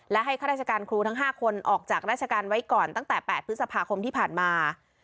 และให้ข้าราชการครูทั้ง๕คนออกจากราชการไว้ก่อนตั้งแต่๘พฤษภาคมที่ผ่านมา